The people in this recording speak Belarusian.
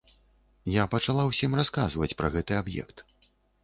Я пачала ўсім расказваць пра гэты аб'ект.